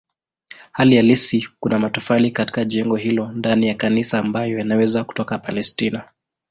Hali halisi kuna matofali katika jengo hilo ndani ya kanisa ambayo yanaweza kutoka Palestina.